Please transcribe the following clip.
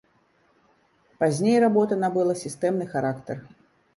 Пазней работа набыла сістэмны характар.